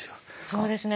そうですね。